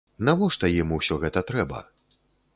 Навошта ім усё гэта трэба?